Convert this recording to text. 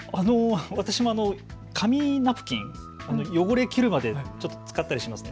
私も紙ナプキン、汚れきるまで使ったりします。